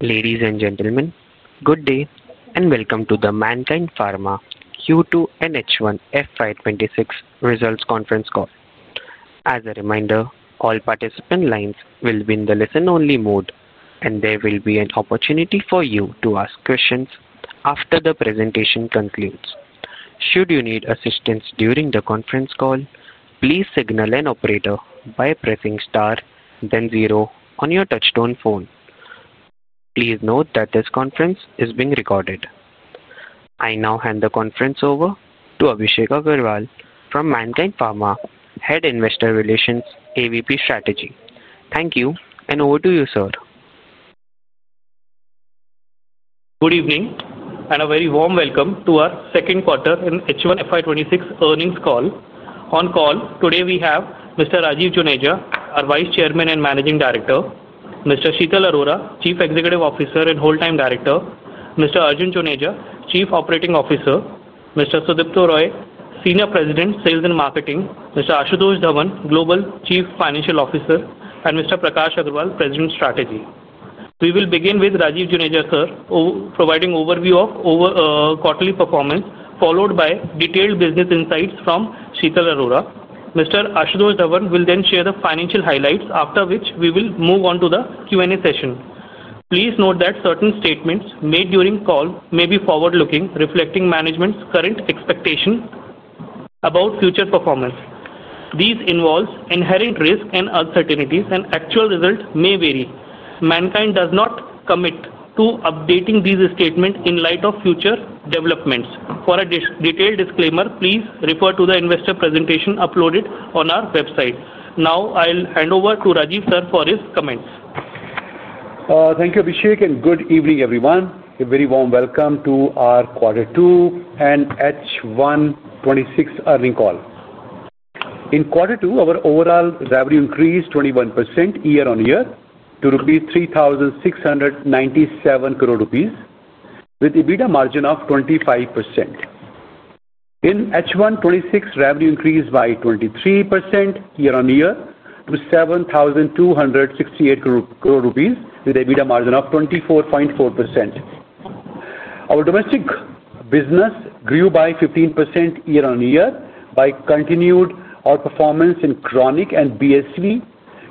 Ladies and gentlemen, good day and welcome to the Mankind Pharma Q2 and H1 FY26 results conference call. As a reminder, all participant lines will be in the listen-only mode, and there will be an opportunity for you to ask questions after the presentation concludes. Should you need assistance during the conference call, please signal an operator by pressing star then 0 on your touchtone phone. Please note that this conference is being recorded. I now hand the conference over to Abhishek Agarwal from Mankind Pharma, Head of Investor Relations, AVP Strategy. Thank you, and over to you, sir. Good evening and a very warm welcome to our second quarter in H1 FY26 earnings call. On call today, we have Mr. Rajeev Juneja, our Vice Chairman and Managing Director, Mr. Sheetal Arora, Chief Executive Officer and Whole Time Director, Mr. Arjun Juneja, Chief Operating Officer, Mr. Sudipto Roy, Senior President, Sales and Marketing, Mr. Ashutosh Dhawan, Global Chief Financial Officer, and Mr. Prakash Agarwal, President, Strategy. We will begin with Rajeev Juneja, sir, providing an overview of quarterly performance, followed by detailed business insights from Sheetal Arora. Mr. Ashutosh Dhawan will then share the financial highlights, after which we will move on to the Q&A session. Please note that certain statements made during the call may be forward-looking, reflecting management's current expectations about future performance. These involve inherent risks and uncertainties, and actual results may vary. Mankind does not commit to updating these statements in light of future developments. For a detailed disclaimer, please refer to the investor presentation uploaded on our website. Now, I'll hand over to Rajeev, sir, for his comments. Thank you, Abhishek, and good evening, everyone. A very warm welcome to our Quarter 2 and H1 2026 earnings call. In Quarter 2, our overall revenue increased 21% year-on-year to 3,697 crore rupees, with EBITDA margin of 25%. In H1 2026, revenue increased by 23% year-on-year to 7,268 crore rupees, with EBITDA margin of 24.4%. Our domestic business grew by 15% year-on-year by continued outperformance in chronic and BSV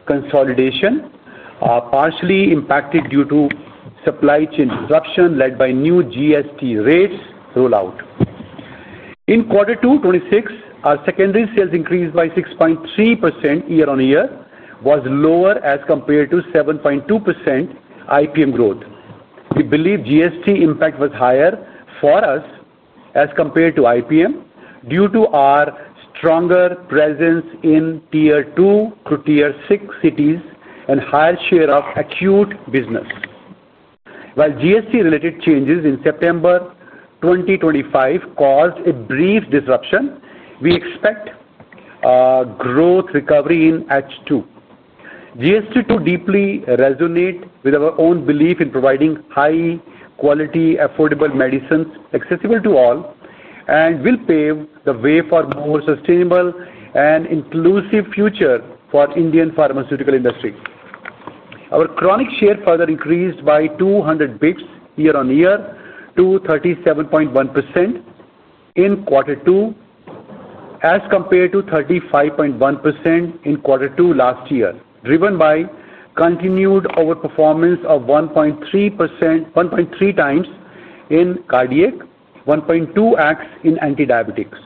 consolidation, partially impacted due to supply chain disruption led by new GST rates rollout. In Quarter 2 2026, our secondary sales increased by 6.3% year-on-year, which was lower as compared to 7.2% IPM growth. We believe GST impact was higher for us as compared to IPM due to our stronger presence in Tier 2 through Tier 6 cities and a higher share of acute business. While GST-related changes in September 2025 caused a brief disruption, we expect growth recovery in H2. GST-2 deeply resonates with our own belief in providing high-quality, affordable medicines accessible to all and will pave the way for a more sustainable and inclusive future for the Indian pharmaceutical industry. Our chronic share further increased by 200 basis points year-on-year to 37.1% in Quarter 2, as compared to 35.1% in Quarter 2 last year, driven by continued outperformance of 1.3 times in cardiac and 1.2x in antidiabetics.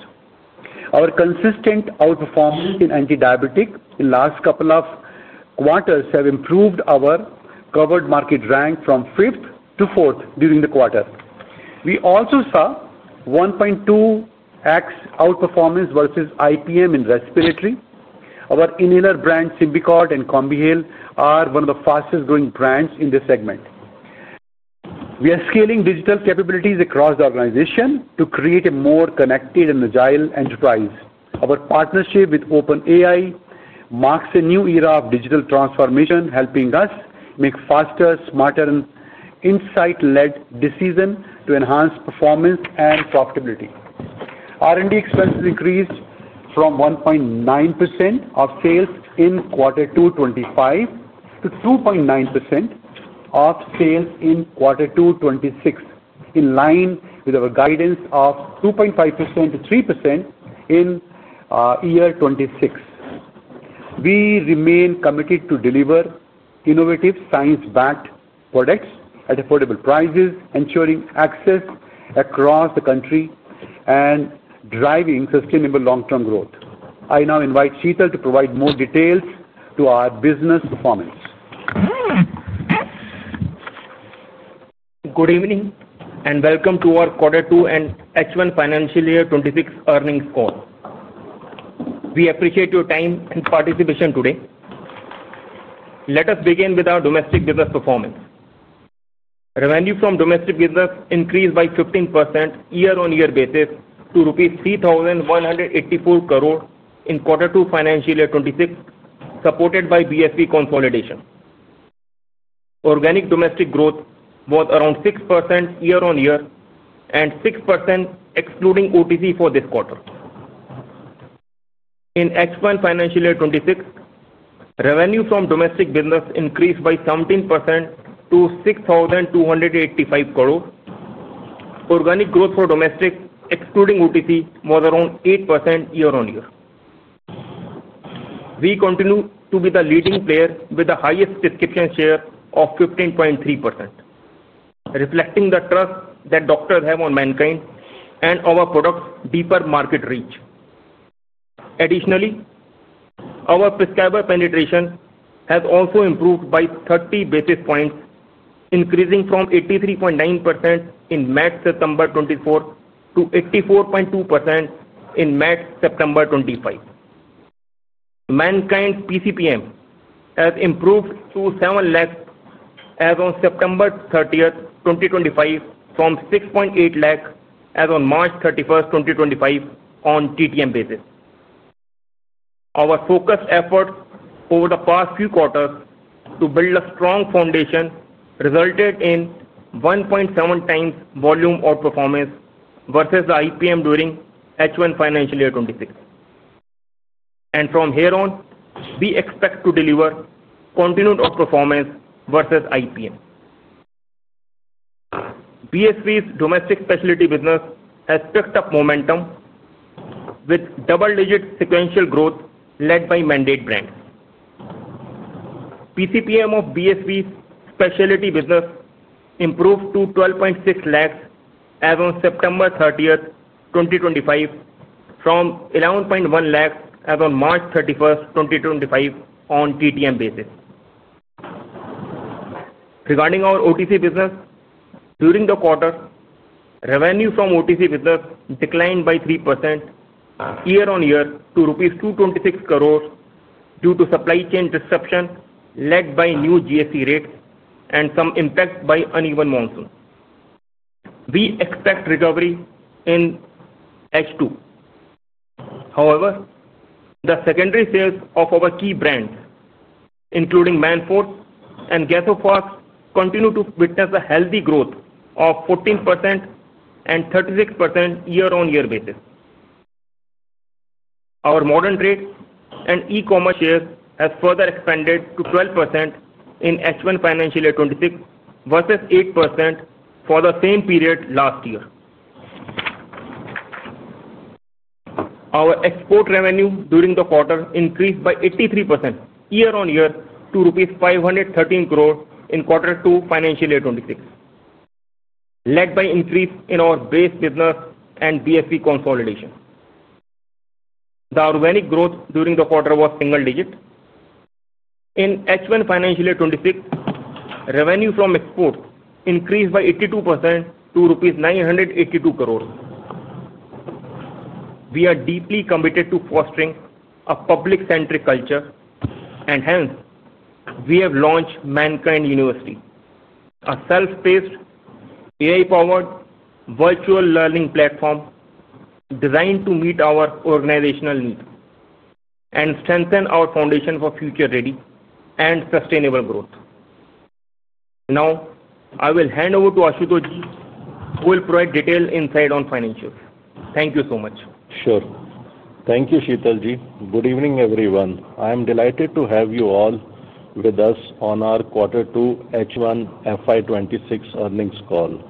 Our consistent outperformance in antidiabetic in the last couple of quarters has improved our covered market rank from 5th to 4th during the quarter. We also saw 1.2x outperformance versus IPM in respiratory. Our inhaler brands, Symbicort and Combival, are one of the fastest-growing brands in the segment. We are scaling digital capabilities across the organization to create a more connected and agile enterprise. Our partnership with OpenAI marks a new era of digital transformation, helping us make faster, smarter, and insight-led decisions to enhance performance and profitability. R&D expenses increased from 1.9% of sales in Quarter 2, 2025 to 2.9% of sales in Quarter 2, 2026, in line with our guidance of 2.5%-3% in year 2026. We remain committed to deliver innovative, science-backed products at affordable prices, ensuring access across the country and driving sustainable long-term growth. I now invite Sheetal to provide more details to our business performance. Good evening and welcome to our Quarter 2 and H1 Financial Year 2026 earnings call. We appreciate your time and participation today. Let us begin with our domestic business performance. Revenue from domestic business increased by 15% year-on-year basis to rupees 3,184 crore in Quarter 2, Financial Year 2026, supported by BSV consolidation. Organic domestic growth was around 6% year-on-year and 6% excluding OTC for this quarter. In H1 Financial Year 2026, revenue from domestic business increased by 17% to 6,285 crore. Organic growth for domestic, excluding OTC, was around 8% year-on-year. We continue to be the leading player with the highest prescription share of 15.3%, reflecting the trust that doctors have on Mankind and our products' deeper market reach. Additionally, our prescriber penetration has also improved by 30 basis points, increasing from 83.9% in May-September 2024 to 84.2% in May-September 2025. Mankind's PCPM has improved to 7 lakhs as of September 30, 2025, from 6.8 lakhs as of March 31, 2025, on TTM basis. Our focused efforts over the past few quarters to build a strong foundation resulted in 1.7 times volume outperformance versus the IPM during H1 Financial Year 2026. From here on, we expect to deliver continued outperformance versus IPM. BSV's domestic specialty business has picked up momentum, with double-digit sequential growth led by mandate brands. PCPM of BSV's specialty business improved to 12.6 lakhs as of September 30, 2025, from 11.1 lakhs as of March 31, 2025, on TTM basis. Regarding our OTC business, during the quarter, revenue from OTC business declined by 3% year-on-year to rupees 226 crore due to supply chain disruption led by new GST rates and some impact by uneven monsoons. We expect recovery in H2. However the secondary sales of our key brands, including Manforce and Gas-O-Fast, continue to witness a healthy growth of 14% and 36% year-on-year basis. Our modern trade and e-commerce shares have further expanded to 12% in H1 Financial Year 2026 versus 8% for the same period last year. Our export revenue during the quarter increased by 83% year-on-year to rupees 513 crore in Quarter 2, Financial Year 2026, led by an increase in our base business and BSV consolidation. The organic growth during the quarter was single-digit. In H1 Financial Year 2026, revenue from exports increased by 82% to rupees 982 crore. We are deeply committed to fostering a public-centric culture, and hence we have launched Mankind University, a self-paced, AI-powered virtual learning platform designed to meet our organizational needs and strengthen our foundation for future-ready and sustainable growth. Now, I will hand over to Ashutosh Ji, who will provide detailed insight on financials. Thank you so much. Sure. Thank you, Sheetal Ji. Good evening, everyone. I am delighted to have you all with us on our Quarter 2 H1 FY26 earnings call.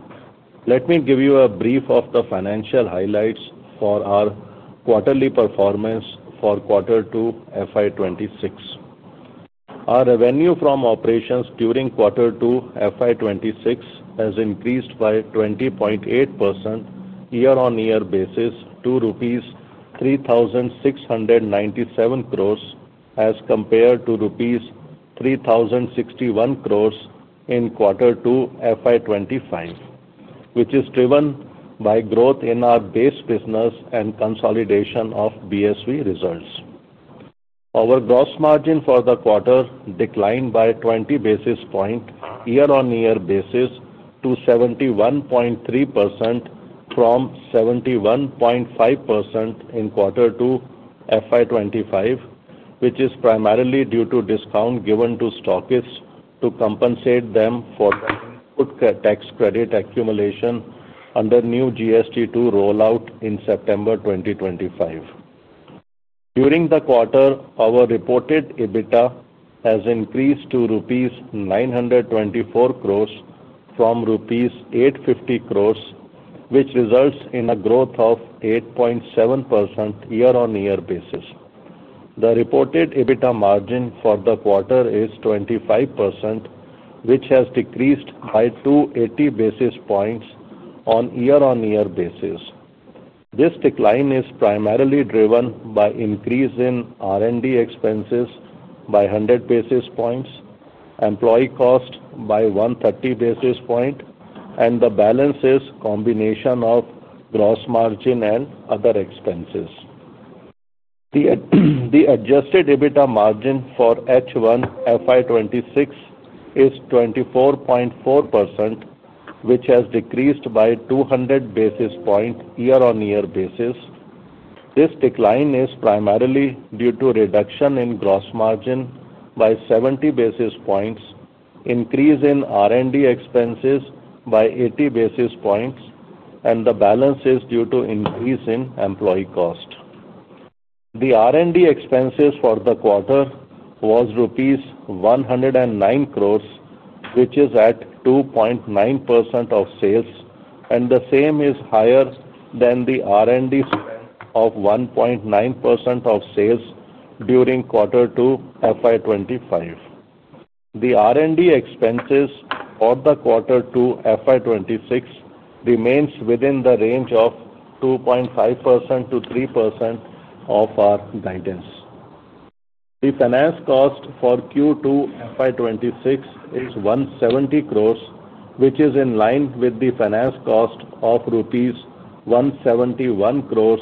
Let me give you a brief of the financial highlights for our quarterly performance for Quarter 2, FY26. Our revenue from operations during Quarter 2, FY26, has increased by 20.8% year-on-year basis to rupees 3,697 crore as compared to rupees 3,061 crore in Quarter 2, FY25. Which is driven by growth in our base business and consolidation of BSV results. Our gross margin for the quarter declined by 20 basis points year-on-year basis to 71.3% from 71.5% in Quarter 2, FY25, which is primarily due to the discount given to stockists to compensate them for the goods tax credit accumulation under new GST-2 rollout in September 2025. During the quarter, our reported EBITDA has increased to rupees 924 crore from rupees 850 crore, which results in a growth of 8.7% year-on-year basis. The reported EBITDA margin for the quarter is 25%, which has decreased by 280 basis points on a year-on-year basis. This decline is primarily driven by an increase in R&D expenses by 100 basis points, employee costs by 130 basis points, and the balance is a combination of gross margin and other expenses. The adjusted EBITDA margin for H1 FY26 is 24.4%, which has decreased by 200 basis points year-on-year basis. This decline is primarily due to a reduction in gross margin by 70 basis points, an increase in R&D expenses by 80 basis points, and the balance is due to an increase in employee cost. The R&D expenses for the quarter were rupees 109 crore, which is at 2.9% of sales, and the same is higher than the R&D spend of 1.9% of sales during Quarter 2, FY25. The R&D expenses for the Quarter 2, FY26, remain within the range of 2.5%-3% of our guidance. The finance cost for Q2, FY26 is 170 crore, which is in line with the finance cost of INR 171 crore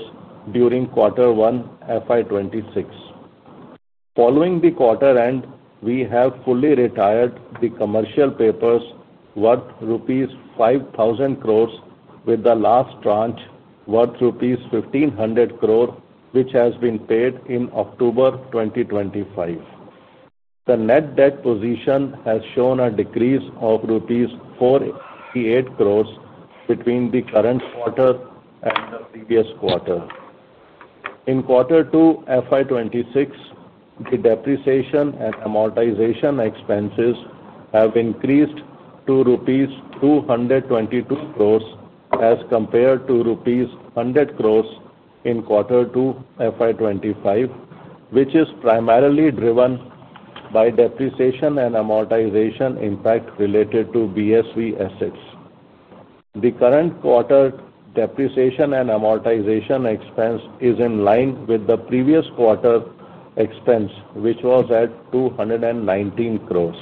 during Quarter 1, FY26. Following the quarter end, we have fully retired the commercial papers worth rupees 5,000 crore, with the last tranche worth rupees 1,500 crore, which has been paid in October 2025. The net debt position has shown a decrease of rupees 48 crore between the current quarter and the previous quarter in Quarter 2, FY26. The depreciation and amortization expenses have increased to rupees 222 crore as compared to rupees 100 crore in Quarter 2, FY25, which is primarily driven by depreciation and amortization impact related to BSV assets. The current quarter depreciation and amortization expense is in line with the previous quarter expense, which was at 219 crore.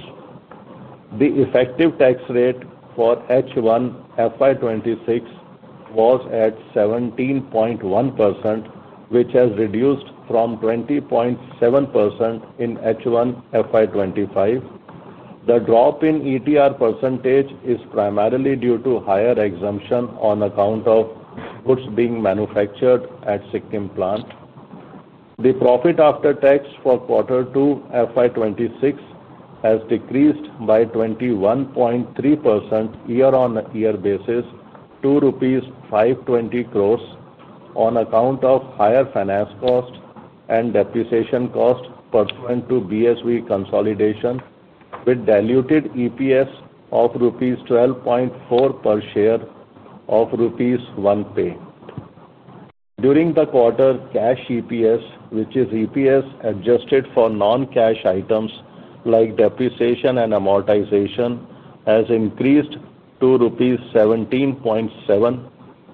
The effective tax rate for H1 FY26 was at 17.1%, which has reduced from 20.7% in H1 FY25. The drop in ETR percentage is primarily due to higher exemption on account of goods being manufactured at Sikkim plant. The profit after tax for Quarter 2, FY26, has decreased by 21.3% year-on-year basis to 520 crore on account of higher finance costs and depreciation costs pursuant to BSV consolidation, with diluted EPS of rupees 12.4 per share of rupees 1 pay. During the quarter, cash EPS, which is EPS adjusted for non-cash items like depreciation and amortization, has increased to rupees 17.7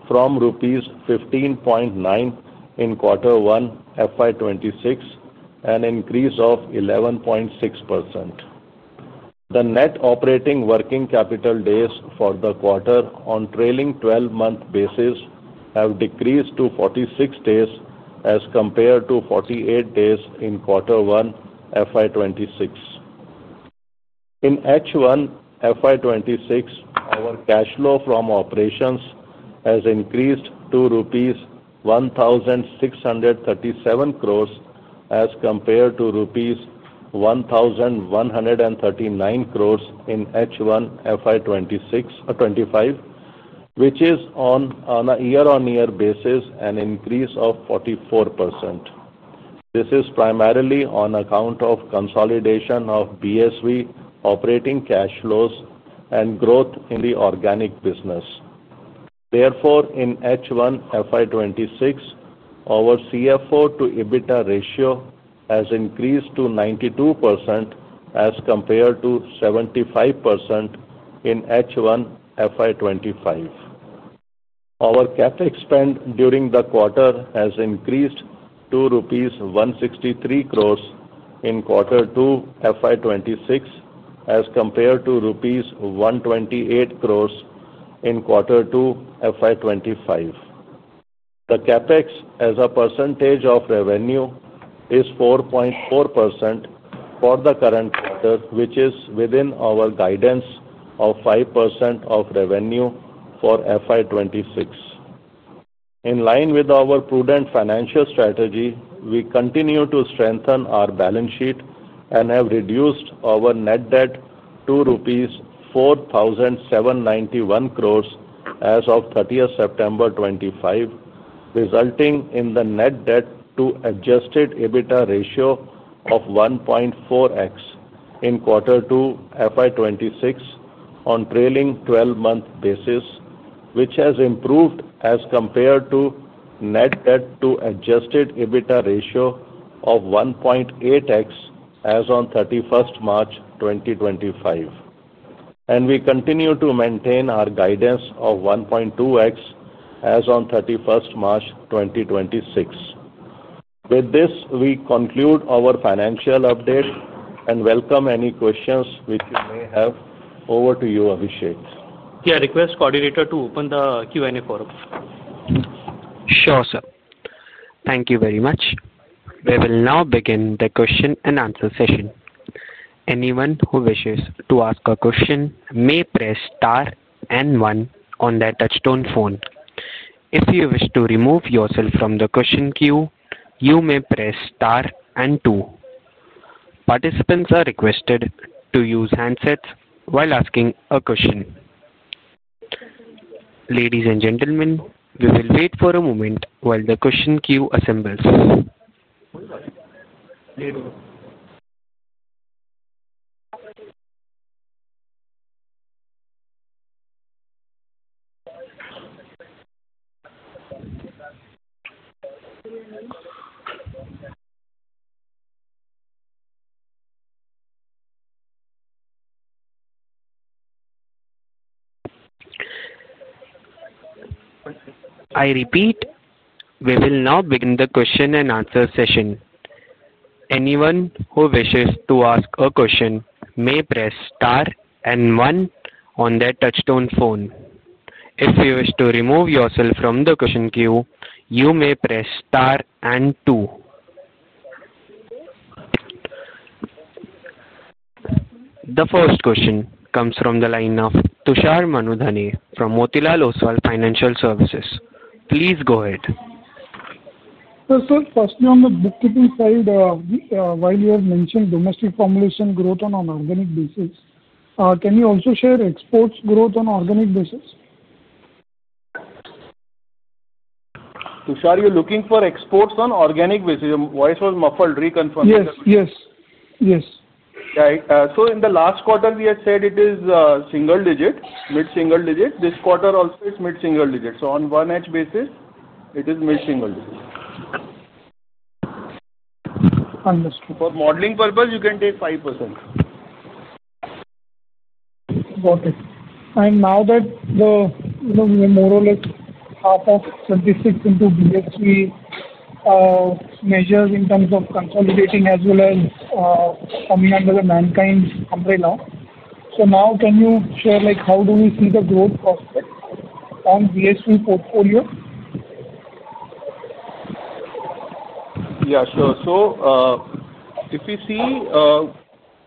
from rupees 15.9 in Quarter 1, FY26, and an increase of 11.6%. The net operating working capital days for the quarter on a trailing 12-month basis have decreased to 46 days as compared to 48 days in Quarter 1, FY 2026. In H1 FY 2026, our cash flow from operations has increased to rupees 1,637 crore as compared to rupees 1,139 crore in H1 FY 2025, which is on a year-on-year basis an increase of 44%. This is primarily on account of the consolidation of BSV operating cash flows and growth in the organic business. Therefore, in H1 FY 2026, our CFO to EBITDA ratio has increased to 92% as compared to 75% in H1 FY 2025. Our capex during the quarter has increased to rupees 163 crore in Quarter 2, FY 2026, as compared to rupees 128 crore in Quarter 2, FY 2025. The capex as a percentage of revenue is 4.4% for the current quarter, which is within our guidance of 5% of revenue for FY 2026. In line with our prudent financial strategy, we continue to strengthen our balance sheet and have reduced our net debt to rupees 4,791 crore as of 30 September 2025, resulting in the net debt to adjusted EBITDA ratio of 1.4x in Quarter 2, FY26, on a trailing 12-month basis, which has improved as compared to net debt to adjusted EBITDA ratio of 1.8x as on 31 March 2025. We continue to maintain our guidance of 1.2x as on 31 March 2026. With this, we conclude our financial update and welcome any questions which you may have. Over to you, Abhishek. Yeah, request coordinator to open the Q&A forum. Sure, sir. Thank you very much. We will now begin the question and answer session. Anyone who wishes to ask a question may press star and one on their touchstone phone. If you wish to remove yourself from the question queue, you may press star and two. Participants are requested to use handsets while asking a question. Ladies and gentlemen, we will wait for a moment while the question queue assembles. I repeat, we will now begin the question and answer session. Anyone who wishes to ask a question may press star and one on their touchstone phone. If you wish to remove yourself from the question queue, you may press star and two. The first question comes from the line of Tushar Manudhane from Motilal Oswal Financial Services. Please go ahead. Sir, firstly on the bookkeeping side, while you have mentioned domestic formulation growth on an organic basis, can you also share exports growth on an organic basis? Tushar, you are looking for exports on an organic basis? Your voice was muffled. Reconfirm, please. Yes, yes, yes. Right. In the last quarter, we had said it is single digit, mid-single digit. This quarter also, it's mid-single digit. On one-h basis, it is mid-single digit. Understood. For modeling purpose, you can take 5%. Got it. Now that more or less half of 2026 into BSV, measures in terms of consolidating as well as coming under the Mankind umbrella, can you share how do we see the growth prospects on BSV portfolio? Yeah, sure. If you see,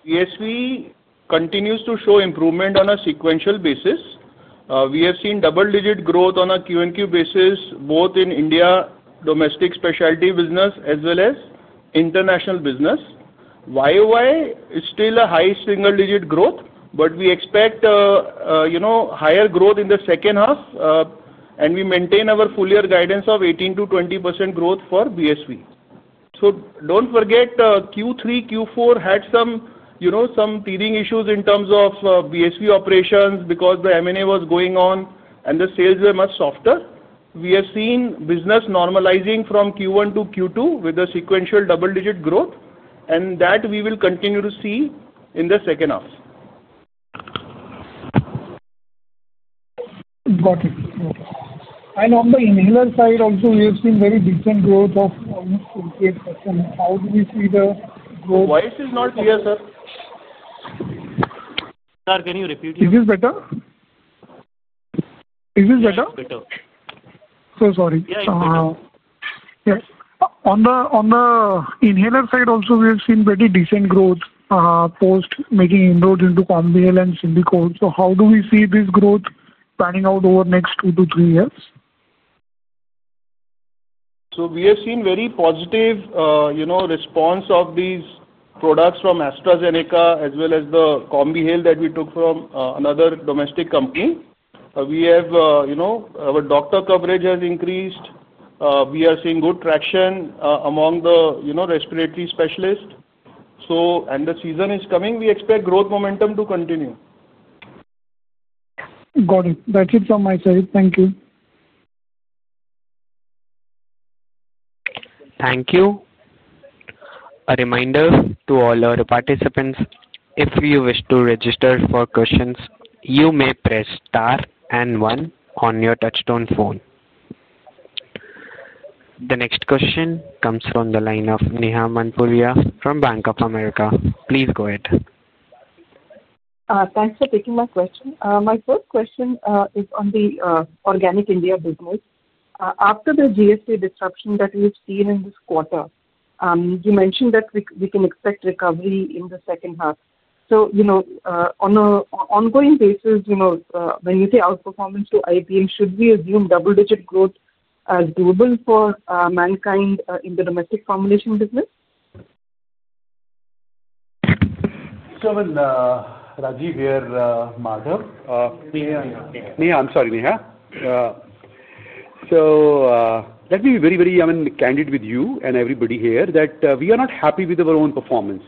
BSV continues to show improvement on a sequential basis. We have seen double-digit growth on a Q&Q basis, both in India domestic specialty business as well as international business. YOY is still a high single-digit growth, but we expect higher growth in the second half, and we maintain our full-year guidance of 18%-20% growth for BSV. Do not forget, Q3, Q4 had some teething issues in terms of BSV operations because the M&A was going on, and the sales were much softer. We have seen business normalizing from Q1 to Q2 with the sequential double-digit growth, and that we will continue to see in the second half. Got it. On the inhaler side also, we have seen very decent growth of almost 28%. How do we see the growth? Voice is not clear, sir. Tushar, can you repeat it? Is this better? Yes, better. So sorry. Yes, it's better. Yes. On the inhaler side also, we have seen very decent growth post making inroads into Combival and Symbicort. How do we see this growth panning out over the next two to three years? We have seen very positive response of these products from AstraZeneca as well as the Combival that we took from another domestic company. Our doctor coverage has increased. We are seeing good traction among the respiratory specialists. The season is coming. We expect growth momentum to continue. Got it. That's it from my side. Thank you. Thank you. A reminder to all our participants, if you wish to register for questions, you may press star and one on your touchstone phone. The next question comes from the line of Neha Manpuria from Bank of America. Please go ahead. Thanks for taking my question. My first question is on the organic India business. After the GST disruption that we've seen in this quarter, you mentioned that we can expect recovery in the second half. On an ongoing basis, when you say outperformance to IPM, should we assume double-digit growth as doable for Mankind in the domestic formulation business? Neha, I'm sorry, Neha. Let me be very, very candid with you and everybody here that we are not happy with our own performance.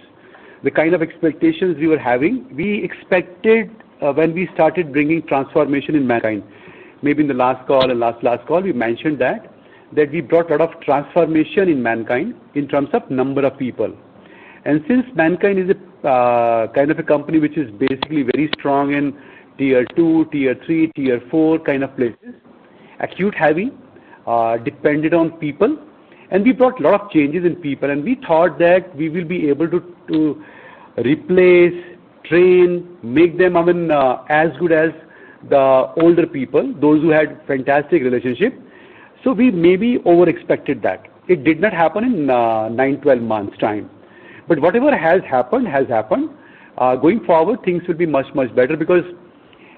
The kind of expectations we were having, we expected when we started bringing transformation in Mankind. Maybe in the last call and last, last call, we mentioned that we brought a lot of transformation in Mankind in terms of number of people. Since Mankind is a kind of a company which is basically very strong in tier two, tier three, tier four kind of places, acute heavy, dependent on people, and we brought a lot of changes in people, and we thought that we will be able to replace, train, make them as good as the older people, those who had fantastic relationship. We maybe overexpected that. It did not happen in 9, 12 months' time. Whatever has happened has happened. Going forward, things will be much, much better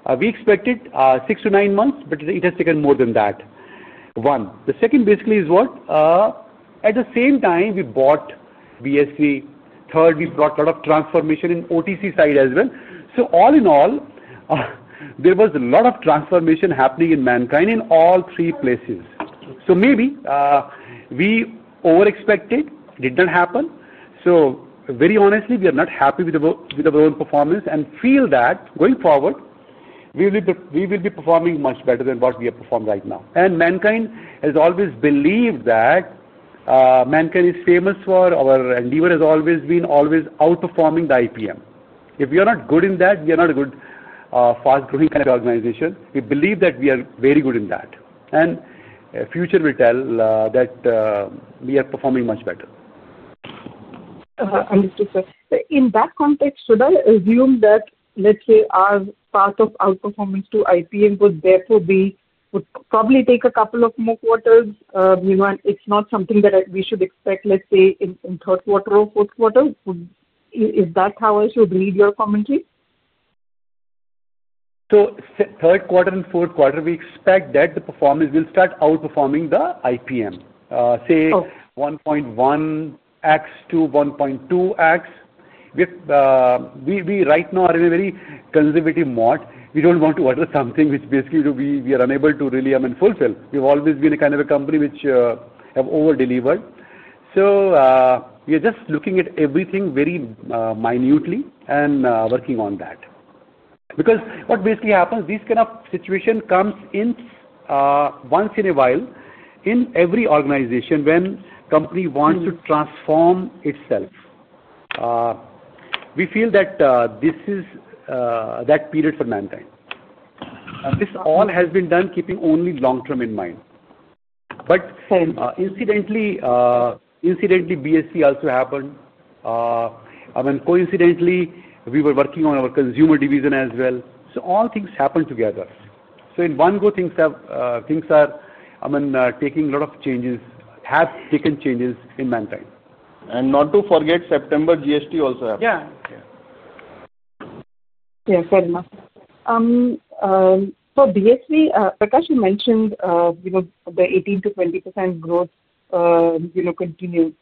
because we expected six to nine months, but it has taken more than that. One. The second basically is what? At the same time, we bought BSV. Third, we brought a lot of transformation in OTC side as well. All in all, there was a lot of transformation happening in Mankind in all three places. Maybe we overexpected, did not happen. Very honestly, we are not happy with our own performance and feel that going forward, we will be performing much better than what we have performed right now. Mankind has always believed that. Mankind is famous for our endeavor has always been always outperforming the IPM. If we are not good in that, we are not a good fast-growing kind of organization. We believe that we are very good in that. The future will tell that we are performing much better. Understood, sir. In that context, should I assume that, let's say, our path of outperformance to IPM would therefore probably take a couple of more quarters? It's not something that we should expect, let's say, in third quarter or fourth quarter. Is that how I should read your commentary? Third quarter and fourth quarter, we expect that the performance will start outperforming the IPM, say 1.1x to 1.2x. Right now, we are in a very conservative mode. We do not want to order something which basically we are unable to really fulfill. We have always been a kind of a company which has over-delivered. We are just looking at everything very minutely and working on that. Because what basically happens, this kind of situation comes in once in a while in every organization when a company wants to transform itself. We feel that this is that period for Mankind. This all has been done keeping only long-term in mind. Incidentally, BSV also happened. Coincidentally, we were working on our consumer division as well. All things happen together. In one go, things are taking a lot of changes, have taken changes in Mankind. Not to forget, September GST also happened. Yeah, fair enough. So BSV, Prakash, you mentioned. The 18%-20% growth. Continued.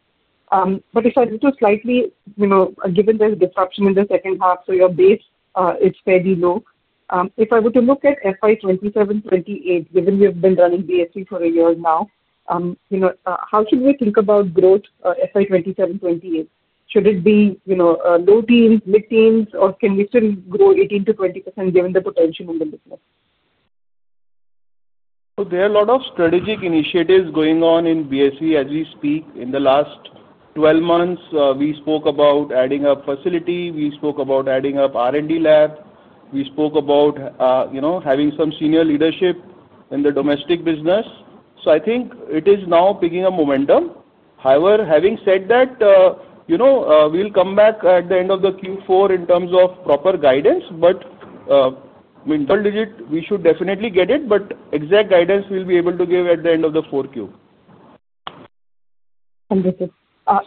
If I look at slightly, given there's disruption in the second half, your base is fairly low. If I were to look at FY2728, given we have been running BSV for a year now, how should we think about growth FY2728? Should it be low teens, mid teens, or can we still grow 18%-20% given the potential in the business? There are a lot of strategic initiatives going on in BSV as we speak. In the last 12 months, we spoke about adding up facility. We spoke about adding up R&D lab. We spoke about having some senior leadership in the domestic business. I think it is now picking up momentum. However, having said that, we'll come back at the end of the Q4 in terms of proper guidance. I mean, double-digit, we should definitely get it, but exact guidance we'll be able to give at the end of the fourth Q. Understood.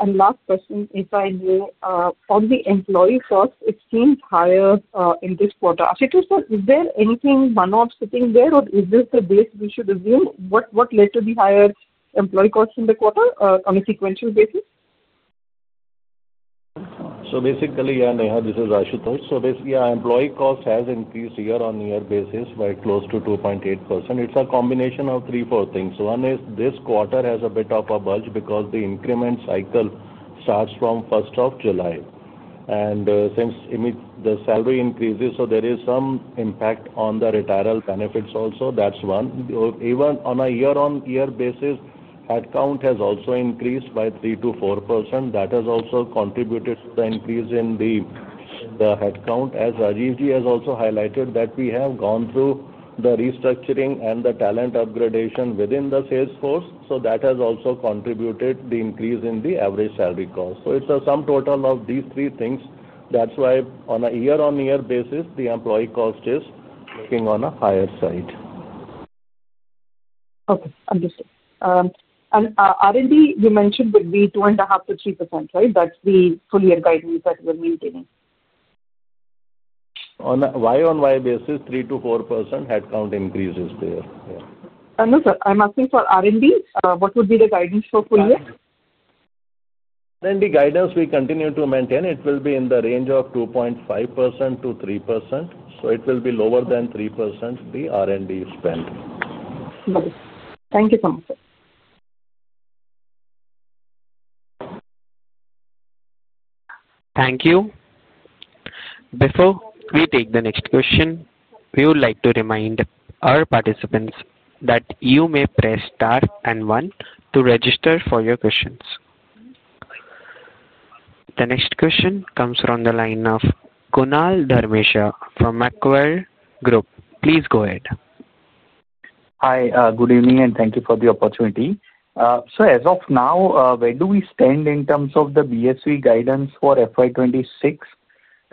Last question, if I may, on the employee cost, it seems higher in this quarter. Ashutosh sir, is there anything one-off sitting there, or is this the base we should assume? What led to the higher employee cost in the quarter on a sequential basis? Basically, yeah, Neha, this is Ashutosh. Basically, our employee cost has increased year-on-year basis by close to 2.8%. It's a combination of three, four things. One is this quarter has a bit of a bulge because the increment cycle starts from first of July. Since the salary increases, there is some impact on the retirement benefits also. That's one. Even on a year-on-year basis, headcount has also increased by 3%-4%. That has also contributed to the increase in the headcount. As Rajeev Ji has also highlighted, we have gone through the restructuring and the talent upgradation within the salesforce. That has also contributed to the increase in the average salary cost. It's a sum total of these three things. That's why on a year-on-year basis, the employee cost is looking on a higher side. Okay. Understood. R&D, you mentioned would be 2.5%-3%, right? That's the full-year guidance that you are maintaining? On a year-on-year basis, 3%-4% headcount increase is there. No, sir. I'm asking for R&D. What would be the guidance for full year? R&D guidance we continue to maintain. It will be in the range of 2.5%-3%. It will be lower than 3% the R&D spend. Got it. Thank you so much, sir. Thank you. Before we take the next question, we would like to remind our participants that you may press star and one to register for your questions. The next question comes from the line of Kunal Dharmesha from Macquarie Group. Please go ahead. Hi. Good evening and thank you for the opportunity. As of now, where do we stand in terms of the BSV guidance for FY 2026?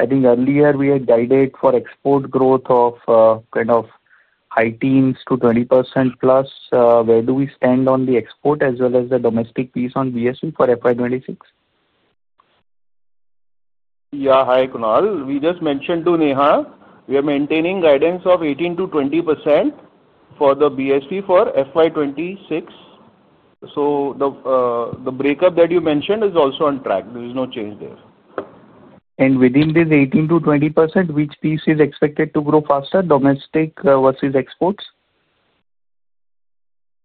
I think earlier we had guided for export growth of kind of high teens to 20% plus. Where do we stand on the export as well as the domestic piece on BSV for FY 2026? Yeah. Hi, Kunal. We just mentioned to Neha, we are maintaining guidance of 18%-20% for the BSV for FY2026. So the breakup that you mentioned is also on track. There is no change there. Within this 18%-20%, which piece is expected to grow faster, domestic versus exports?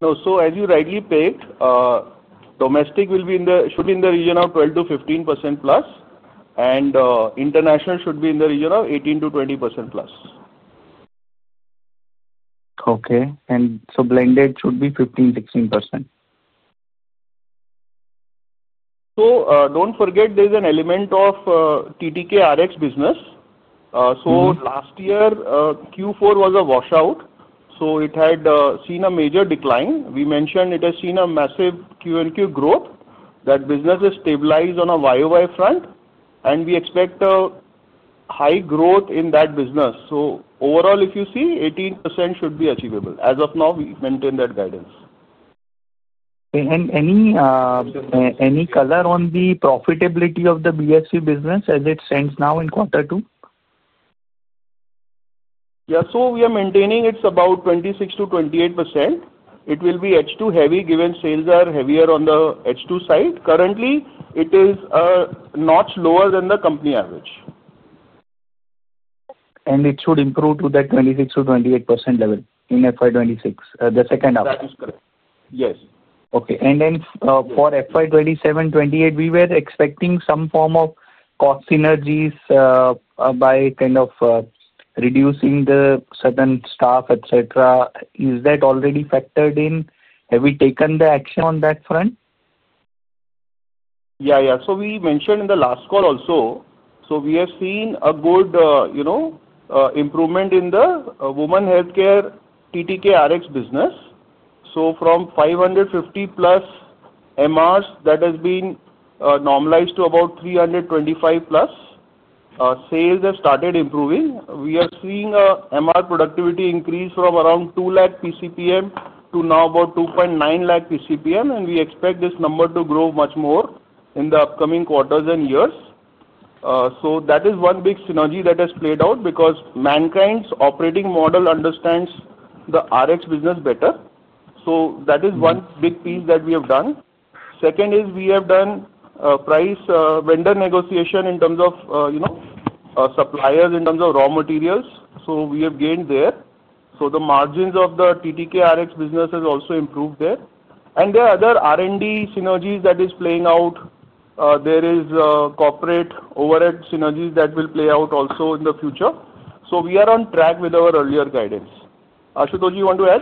No. So as you rightly picked, domestic should be in the region of 12%-15% plus, and international should be in the region of 18%-20% plus. Okay. And so blended should be 15%-16%? Do not forget there's an element of TTK RX business. Last year, Q4 was a washout. It had seen a major decline. We mentioned it has seen a massive Q&Q growth. That business has stabilized on a YOY front, and we expect high growth in that business. Overall, if you see, 18% should be achievable. As of now, we maintain that guidance. Any color on the profitability of the BSV business as it stands now in quarter two? Yeah. So we are maintaining it is about 26%-28%. It will be H2 heavy given sales are heavier on the H2 side. Currently, it is a notch lower than the company average. It should improve to that 26%-28% level in FY26, the second half? That is correct. Yes. Okay. For FI2728, we were expecting some form of cost synergies. By kind of reducing certain staff, etc. Is that already factored in? Have we taken the action on that front? Yeah, yeah. We mentioned in the last call also, we have seen a good improvement in the women healthcare TTK RX business. From 550-plus MRs, that has been normalized to about 325-plus. Sales have started improving. We are seeing MR productivity increase from around 200,000 PCPM to now about 290,000 PCPM, and we expect this number to grow much more in the upcoming quarters and years. That is one big synergy that has played out because Mankind's operating model understands the RX business better. That is one big piece that we have done. Second, we have done price vendor negotiation in terms of suppliers, in terms of raw materials. We have gained there. The margins of the TTK RX business have also improved there. There are other R&D synergies that are playing out. There is corporate overhead synergies that will play out also in the future. So we are on track with our earlier guidance. Ashutosh, you want to add?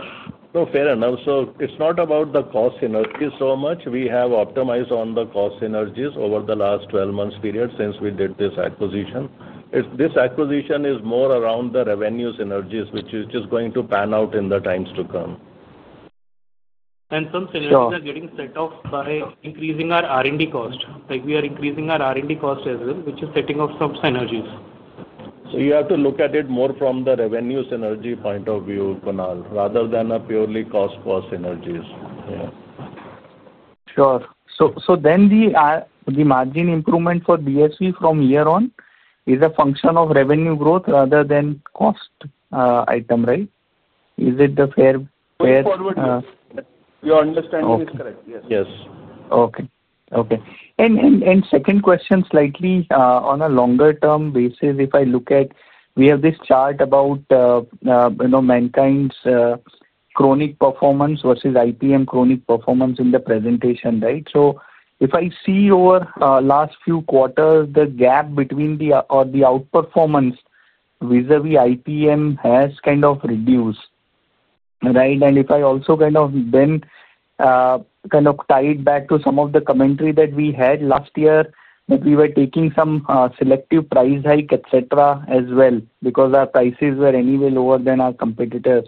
No, fair enough. So it's not about the cost synergies so much. We have optimized on the cost synergies over the last 12 months' period since we did this acquisition. This acquisition is more around the revenue synergies, which is just going to pan out in the times to come. Some synergies are getting set off by increasing our R&D cost. We are increasing our R&D cost as well, which is setting off some synergies. You have to look at it more from the revenue synergy point of view, Kunal, rather than purely cost-plus synergies. Sure. So then the margin improvement for BSV from here on is a function of revenue growth rather than cost item, right? Is it fair? Going forward, your understanding is correct. Yes. Yes. Okay. Okay. Second question, slightly on a longer-term basis, if I look at we have this chart about Mankind's chronic performance versus IPM chronic performance in the presentation, right? If I see over the last few quarters, the gap between the outperformance vis-à-vis IPM has kind of reduced, right? If I also kind of then tie it back to some of the commentary that we had last year, that we were taking some selective price hike, etc., as well, because our prices were anyway lower than our competitors.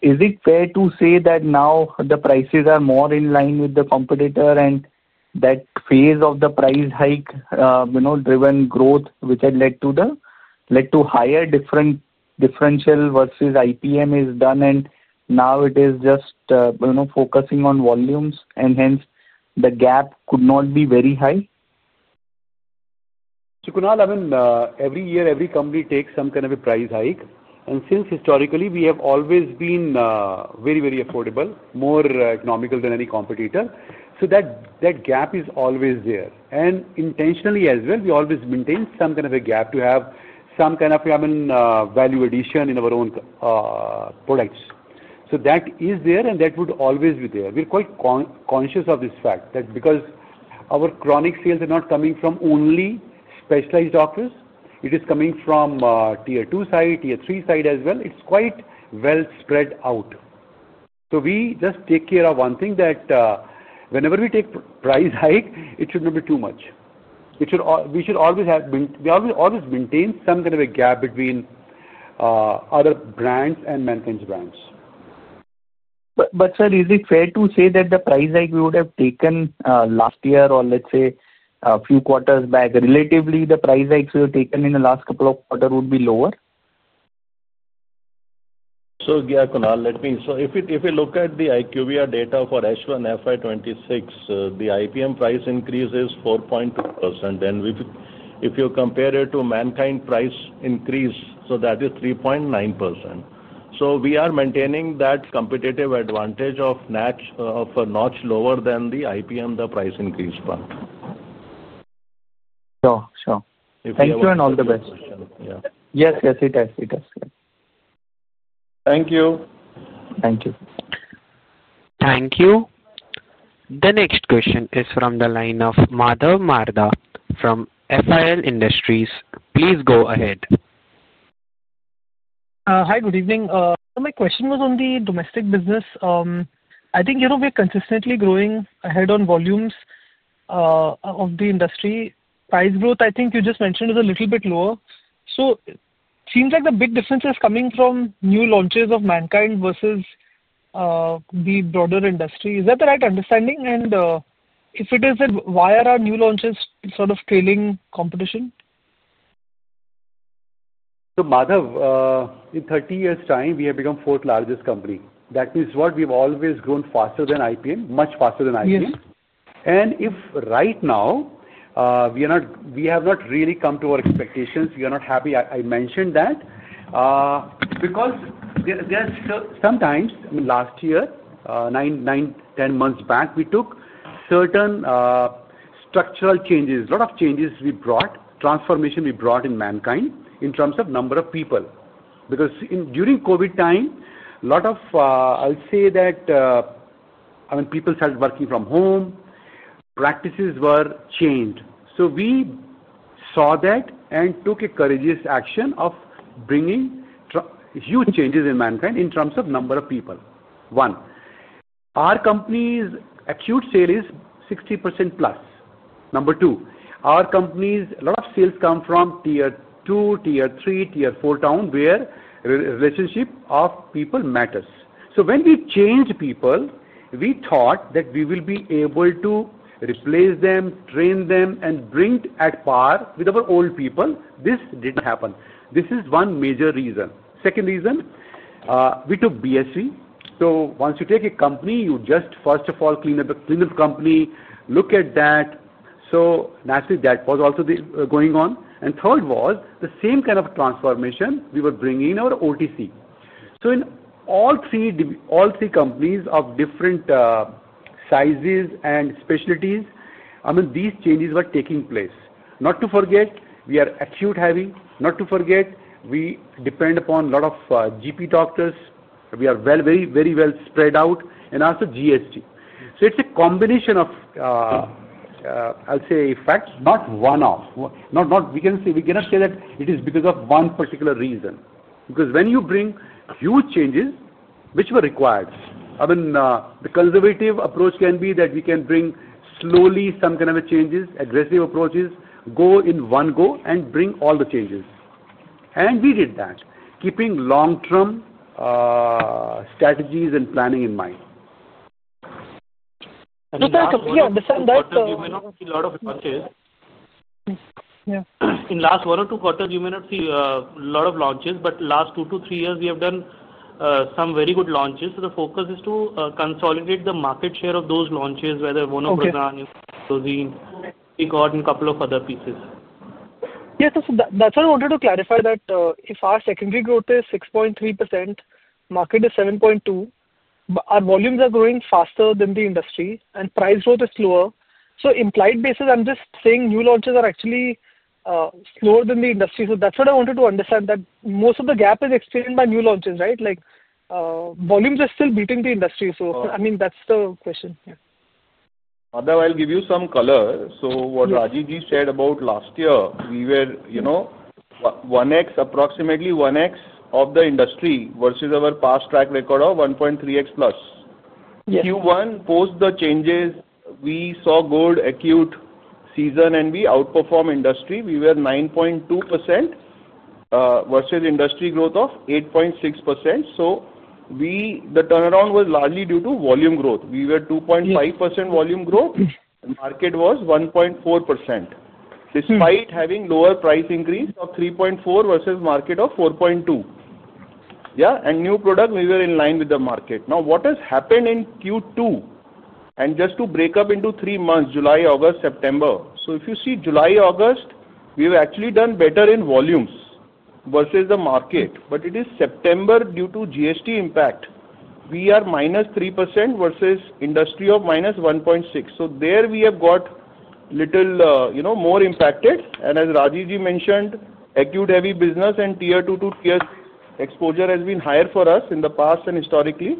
Is it fair to say that now the prices are more in line with the competitor and that phase of the price hike-driven growth, which had led to the higher differential versus IPM, is done, and now it is just focusing on volumes, and hence the gap could not be very high? Kunal, I mean, every year, every company takes some kind of a price hike. Since historically, we have always been very, very affordable, more economical than any competitor, that gap is always there. Intentionally as well, we always maintain some kind of a gap to have some kind of value addition in our own products. That is there, and that would always be there. We are quite conscious of this fact that because our chronic sales are not coming from only specialized doctors, it is coming from tier two side, tier three side as well. It is quite well spread out. We just take care of one thing: whenever we take a price hike, it should not be too much. We should always maintain some kind of a gap between other brands and Mankind's brands. Sir, is it fair to say that the price hike we would have taken last year or, let's say, a few quarters back, relatively, the price hikes we have taken in the last couple of quarters would be lower? Yeah, Kunal, let me—if you look at the IQVIA data for H1 FY26, the IPM price increase is 4.2%. If you compare it to Mankind price increase, that is 3.9%. We are maintaining that competitive advantage of a notch lower than the IPM, the price increase part. Sure. Thank you and all the best. Yes, it has. Thank you. Thank you. Thank you. The next question is from the line of Madhav Marda from FI industries. Please go ahead. Hi, good evening. My question was on the domestic business. I think we are consistently growing ahead on volumes of the industry. Price growth, I think you just mentioned, is a little bit lower. It seems like the big difference is coming from new launches of Mankind versus the broader industry. Is that the right understanding? If it is, then why are our new launches sort of trailing competition? Madhav, in 30 years' time, we have become the fourth-largest company. That means what? We have always grown faster than IPM, much faster than IPM. If right now we have not really come to our expectations, we are not happy, I mentioned that. Because sometimes, I mean, last year, 9-10 months back, we took certain structural changes, a lot of changes we brought, transformation we brought in Mankind in terms of number of people. Because during COVID time, a lot of—I will say that, I mean, people started working from home. Practices were changed. We saw that and took a courageous action of bringing huge changes in Mankind in terms of number of people. One, our company's acute sale is 60% plus. Number two, our company's a lot of sales come from tier two, tier three, tier four town where relationship of people matters. When we changed people, we thought that we would be able to replace them, train them, and bring at par with our old people. This did not happen. This is one major reason. Second reason, we took BSV. Once you take a company, you just, first of all, clean up the company. Look at that. Naturally, that was also going on. Third was the same kind of transformation we were bringing in our OTC. In all three, companies of different sizes and specialties, I mean, these changes were taking place. Not to forget, we are acute heavy. Not to forget, we depend upon a lot of GP doctors. We are very well spread out. Also, GST. It is a combination of, I will say, facts, not one-off. We cannot say that it is because of one particular reason. Because when you bring huge changes, which were required, I mean, the conservative approach can be that we can bring slowly some kind of changes, aggressive approaches, go in one go and bring all the changes. We did that, keeping long-term strategies and planning in mind. Yeah, I understand that. You may not see a lot of launches. In the last one or two quarters, you may not see a lot of launches, but the last two to three years, we have done some very good launches. The focus is to consolidate the market share of those launches, whether Vono Pradhan, InfoZine, PCC Corp, and a couple of other pieces. Yeah. That is what I wanted to clarify, that if our secondary growth is 6.3%, market is 7.2%, but our volumes are growing faster than the industry, and price growth is slower. Implied basis, I am just saying new launches are actually slower than the industry. That is what I wanted to understand, that most of the gap is explained by new launches, right? Volumes are still beating the industry. I mean, that is the question. Madhav, I'll give you some color. What Rajeev Ji said about last year, we were 1x, approximately 1x of the industry versus our past track record of 1.3x plus. Q1 post the changes, we saw good acute season, and we outperformed industry. We were 9.2% versus industry growth of 8.6%. The turnaround was largely due to volume growth. We were 2.5% volume growth. Market was 1.4%. Despite having lower price increase of 3.4% versus market of 4.2%. Yeah. And new product, we were in line with the market. Now, what has happened in Q2? Just to break up into three months, July, August, September. If you see July, August, we have actually done better in volumes versus the market. It is September due to GST impact. We are minus 3% versus industry of minus 1.6%. There, we have got little more impacted. As Rajeev Ji mentioned, acute heavy business and tier two to tier three exposure has been higher for us in the past and historically.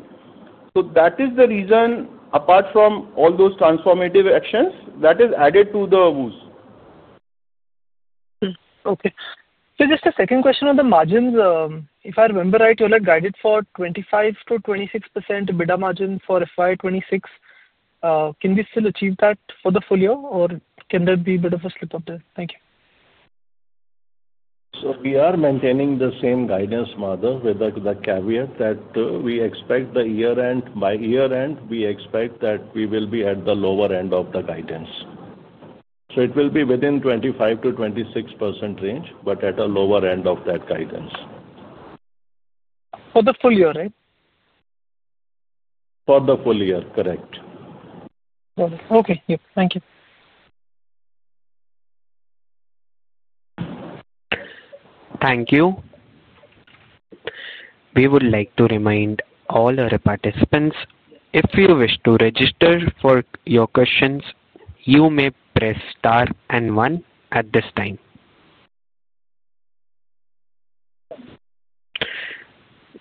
That is the reason, apart from all those transformative actions, that has added to the boost. Okay. So just a second question on the margins. If I remember right, you all have guided for 25%-26% EBITDA margin for FY2026. Can we still achieve that for the full year? Or can there be a bit of a slip up there? Thank you. We are maintaining the same guidance, Madhav, with the caveat that we expect the year-end, by year-end, we expect that we will be at the lower end of the guidance. It will be within the 25%-26% range, but at the lower end of that guidance. For the full year, right? For the full year, correct. Got it. Okay. Yep. Thank you. Thank you. We would like to remind all our participants, if you wish to register for your questions, you may press star and one at this time.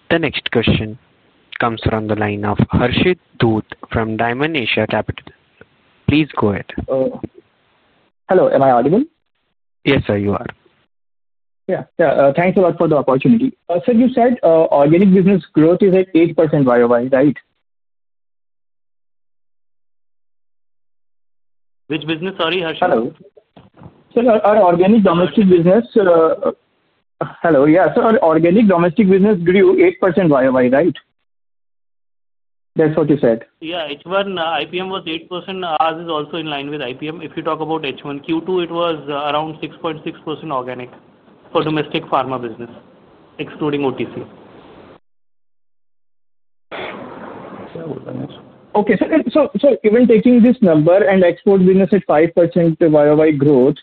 The next question comes from the line of Harshit Dhoot from Dymon Asia Capital. Please go ahead. Hello. Am I audible? Yes, sir, you are. Yeah. Yeah. Thanks a lot for the opportunity. Sir, you said organic business growth is at 8% YOY, right? Which business, sorry, Harshit? Hello. Sir, our organic domestic business. Hello. Yeah. Sir, our organic domestic business grew 8% year-on-year, right? That's what you said. Yeah. H1 IPM was 8%. Ours is also in line with IPM. If you talk about H1, Q2, it was around 6.6% organic for domestic pharma business, excluding OTC. Yeah. Okay. Even taking this number and export business at 5% YOY growth,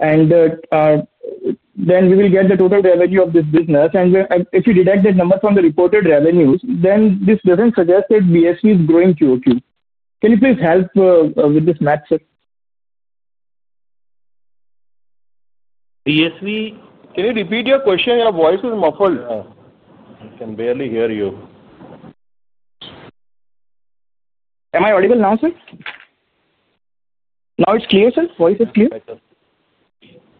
and then we will get the total revenue of this business. If you deduct that number from the reported revenues, this does not suggest that BSV is growing Q2. Can you please help with this math, sir? Can you repeat your question? Your voice is muffled. I can barely hear you. Am I audible now, sir? Now it's clear, sir? Voice is clear?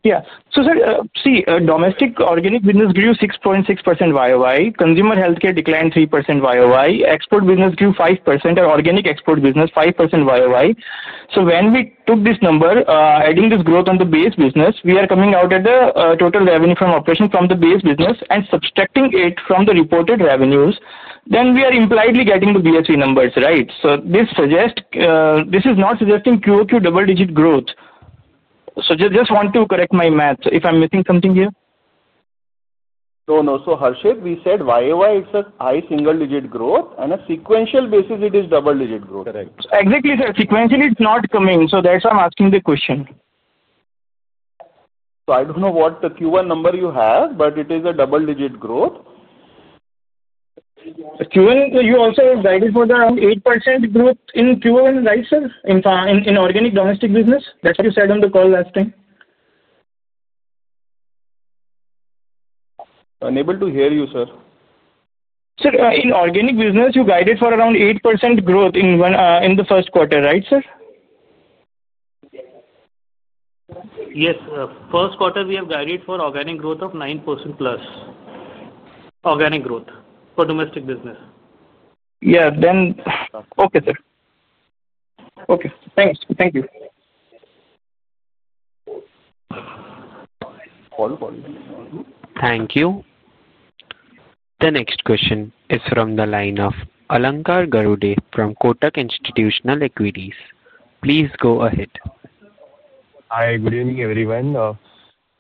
Yes, sir. Yeah. So, sir, see, domestic organic business grew 6.6% YOY. Consumer healthcare declined 3% YOY. Export business grew 5%. Our organic export business, 5% YOY. So when we took this number, adding this growth on the base business, we are coming out at the total revenue from operation from the base business and subtracting it from the reported revenues, then we are impliedly getting the BSV numbers, right? This is not suggesting Q2 double-digit growth. Just want to correct my math. If I'm missing something here? No, no. Harshit, we said YOY, it's a high single-digit growth. On a sequential basis, it is double-digit growth. Exactly, sir. Sequentially, it's not coming. So that's why I'm asking the question. I don't know what the Q1 number you have, but it is a double-digit growth. Q1, you also guided for around 8% growth in Q1, right, sir? In organic domestic business? That's what you said on the call last time. Unable to hear you, sir. Sir, in organic business, you guided for around 8% growth in the first quarter, right, sir? Yes. First quarter, we have guided for organic growth of 9% plus. Organic growth for domestic business. Yeah. Okay, sir. Okay. Thanks. Thank you. Thank you. The next question is from the line of Alankar Garude from Kotak Institutional Equities. Please go ahead. Hi. Good evening, everyone.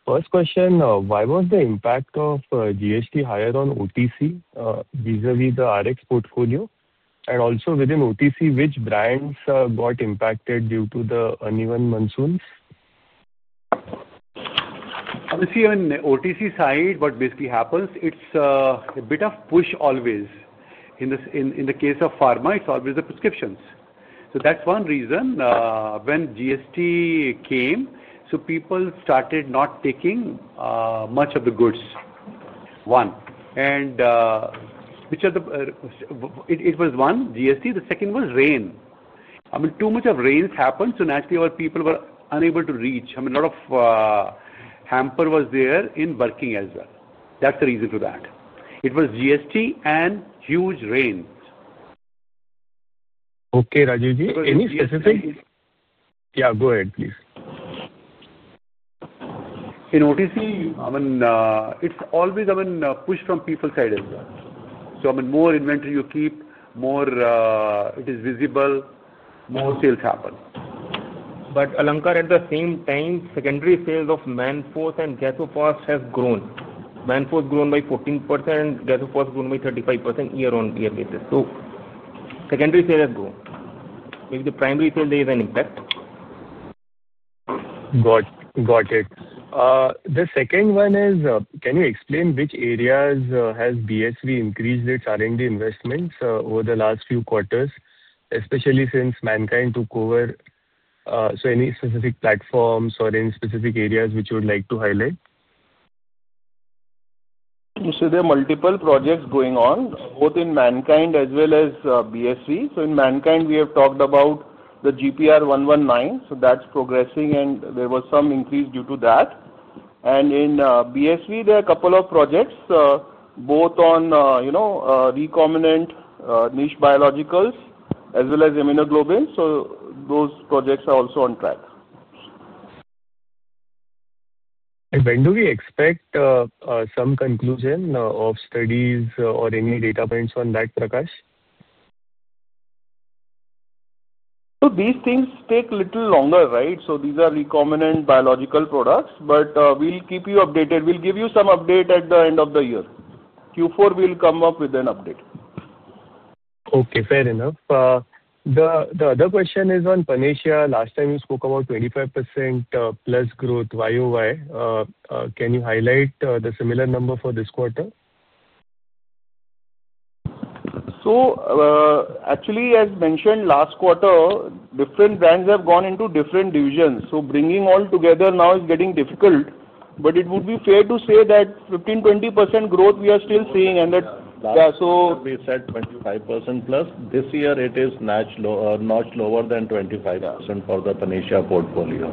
First question, why was the impact of GST higher on OTC vis-à-vis the RX portfolio? Also, within OTC, which brands got impacted due to the uneven monsoons? If you're on the OTC side, what basically happens, it's a bit of push always. In the case of pharma, it's always the prescriptions. That's one reason. When GST came, people started not taking much of the goods. One. It was one, GST. The second was rain. I mean, too much of rains happened, so naturally, our people were unable to reach. I mean, a lot of hamper was there in Birkin as well. That's the reason for that. It was GST and huge rains. Okay, Rajeev Juneja. Any specific? Yeah, go ahead, please. In OTC, I mean, it's always, I mean, push from people's side as well. I mean, more inventory you keep, more it is visible, more sales happen. Alankar, at the same time, secondary sales of Manforce and Gas-O-Fast have grown. Manforce grown by 14%, Gas-O-Fast grown by 35% year-on-year basis. So secondary sales have grown. Maybe the primary sales have an impact. Got it. The second one is, can you explain which areas has BSV increased its R&D investments over the last few quarters, especially since Mankind took over? Any specific platforms or any specific areas which you would like to highlight? There are multiple projects going on, both in Mankind as well as BSV. In Mankind, we have talked about the GPR-119. That is progressing, and there was some increase due to that. In BSV, there are a couple of projects, both on recombinant niche biologicals as well as immunoglobulins. Those projects are also on track. When do we expect some conclusion of studies or any data points on that, Prakash? These things take a little longer, right? These are recombinant biological products, but we'll keep you updated. We'll give you some update at the end of the year. Q4, we'll come up with an update. Okay. Fair enough. The other question is on Panisha. Last time, you spoke about 25%+ growth year-on-year. Can you highlight the similar number for this quarter? Actually, as mentioned last quarter, different brands have gone into different divisions. Bringing all together now is getting difficult. It would be fair to say that 15%-20% growth we are still seeing. Yeah, so. Yeah. We said 25% plus. This year, it is not lower than 25% for the Panisha portfolio.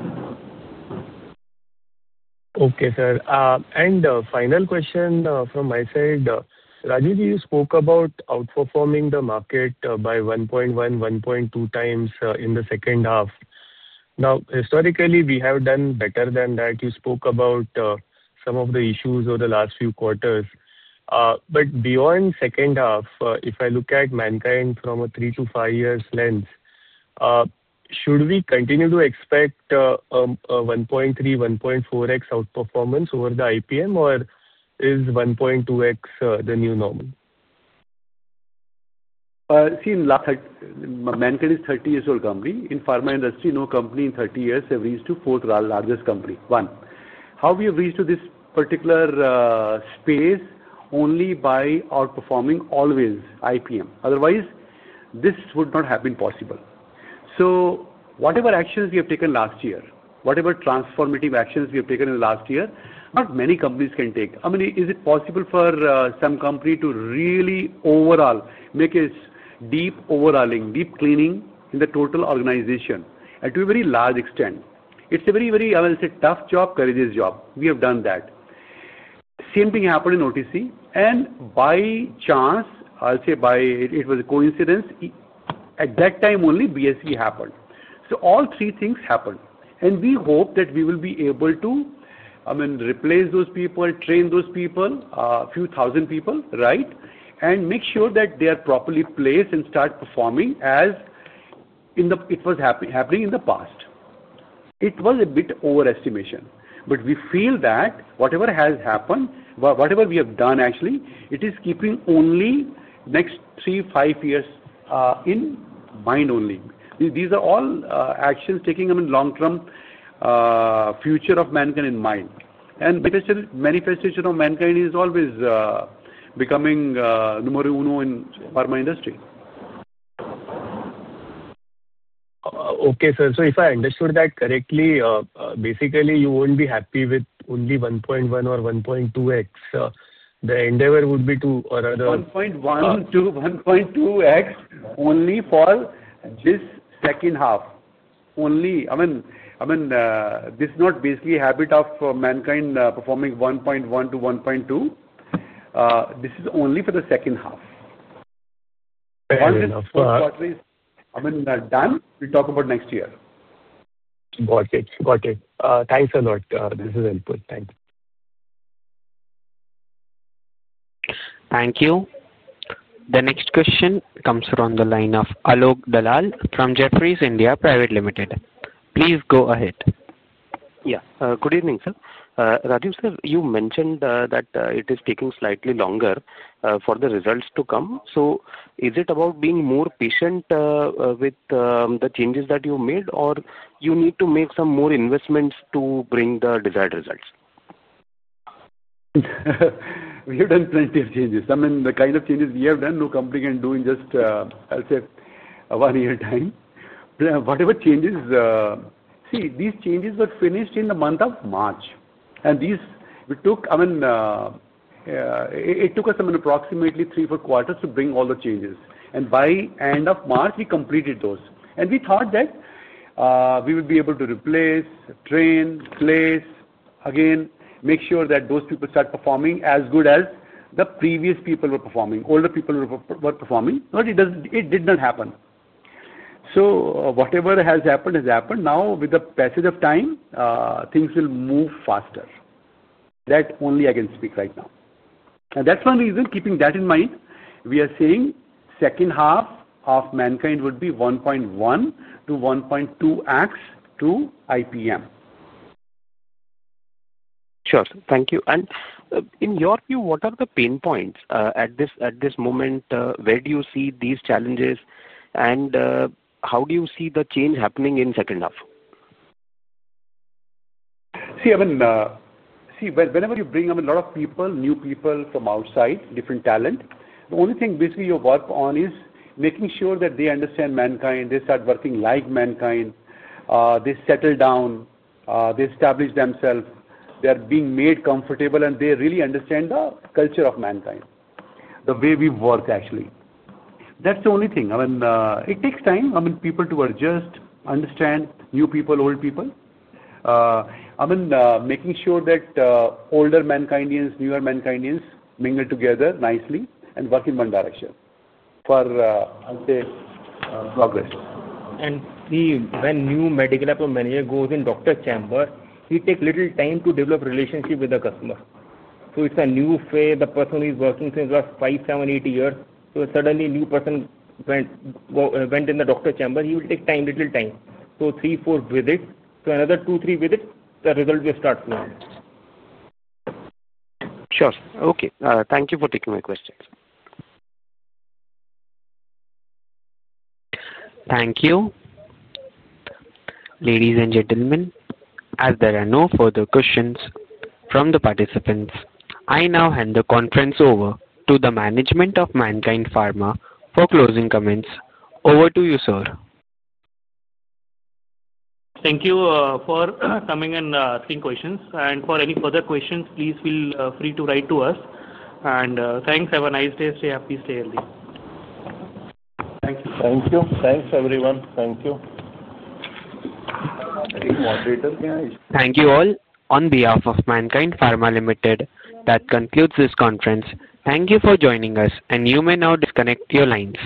Okay, sir. Final question from my side. Rajeev Ji, you spoke about outperforming the market by 1.1-1.2 times in the second half. Now, historically, we have done better than that. You spoke about some of the issues over the last few quarters. Beyond second half, if I look at Mankind from a three to five years lens, should we continue to expect 1.3-1.4x outperformance over the IPM, or is 1.2x the new normal? See, Mankind is a 30-year-old company. In pharma industry, no company in 30 years has reached to fourth-largest company. One. How we have reached to this particular space only by outperforming always IPM. Otherwise, this would not have been possible. So whatever actions we have taken last year, whatever transformative actions we have taken in the last year, not many companies can take. I mean, is it possible for some company to really overall make a deep overhauling, deep cleaning in the total organization and to a very large extent? It's a very, very, I will say, tough job, courageous job. We have done that. Same thing happened in OTC. By chance, I'll say it was a coincidence. At that time only, BSV happened. All three things happened. We hope that we will be able to. I mean, replace those people, train those people, a few thousand people, right, and make sure that they are properly placed and start performing as it was happening in the past. It was a bit overestimation. We feel that whatever has happened, whatever we have done, actually, it is keeping only next three-five years in mind only. These are all actions taking, I mean, long-term. Future of Mankind in mind. Manifestation of Mankind is always becoming numero uno in pharma industry. Okay, sir. If I understood that correctly, basically, you will not be happy with only 1.1 or 1.2x. The endeavor would be to another. 1.1-1.2x only for this second half. Only. I mean, this is not basically habit of Mankind performing 1.1-1.2. This is only for the second half. Once this quarter is, I mean, done, we talk about next year. Got it. Got it. Thanks a lot. This is input. Thank you. Thank you. The next question comes from the line of Alok Dalal from Jefferies India Private Limited. Please go ahead. Yeah. Good evening, sir. Rajeev sir, you mentioned that it is taking slightly longer for the results to come. Is it about being more patient with the changes that you made, or do you need to make some more investments to bring the desired results? We have done plenty of changes. I mean, the kind of changes we have done, no complication doing just, I'll say, one-year time. Whatever changes. See, these changes were finished in the month of March. I mean, it took us approximately three-four quarters to bring all the changes. By end of March, we completed those. We thought that we would be able to replace, train, place again, make sure that those people start performing as good as the previous people were performing, older people were performing. It did not happen. Whatever has happened has happened. Now, with the passage of time, things will move faster. That only I can speak right now. That's one reason. Keeping that in mind, we are seeing second half of Mankind would be 1.1-1.2x to IPM. Sure. Thank you. In your view, what are the pain points at this moment? Where do you see these challenges? How do you see the change happening in the second half? See, I mean, see, whenever you bring, I mean, a lot of people, new people from outside, different talent, the only thing basically you work on is making sure that they understand Mankind. They start working like Mankind. They settle down. They establish themselves. They are being made comfortable, and they really understand the culture of Mankind, the way we work, actually. That's the only thing. I mean, it takes time, I mean, people to adjust, understand new people, old people. I mean, making sure that older Mankindians, newer Mankindians mingle together nicely and work in one direction for, I'll say, progress. When a new medical app manager goes in the doctor chamber, he takes a little time to develop a relationship with the customer. It is a new face. The person who is working since the last five, seven, eight years. Suddenly, a new person went in the doctor chamber. He will take a little time. Three, four visits. Another two, three visits, the result will start flowing. Sure. Okay. Thank you for taking my questions. Thank you. Ladies and gentlemen, as there are no further questions from the participants, I now hand the conference over to the management of Mankind Pharma for closing comments. Over to you, sir. Thank you for coming and asking questions. For any further questions, please feel free to write to us. Thanks. Have a nice day. Stay happy. Stay healthy. Thank you. Thank you. Thanks, everyone. Thank you. Thank you all. Thank you all on behalf of Mankind Pharma. That concludes this conference. Thank you for joining us, and you may now disconnect your lines.